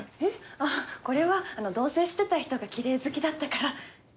あっこれはあの同せいしてた人がきれい好きだったから。